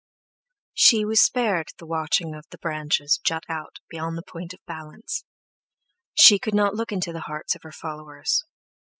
She was spared the watching of the branches jut out beyond the point of balance. She could not look into the hearts of her followers.